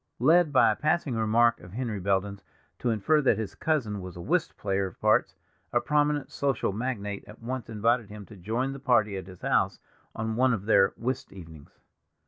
Led by a passing remark of Henry Belden's to infer that his cousin was a whist player of parts, a prominent social magnate at once invited him to join the party at his house on one of their whist evenings.